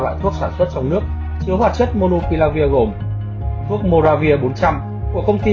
loại thuốc sản xuất trong nước chứa hoạt chất monopia gồm thuốc moravir bốn trăm linh của công ty